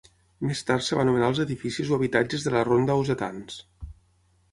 Més tard es va anomenar els edificis o habitatges de la Ronda Ausetans.